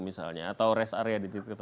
misalnya atau rest area di titik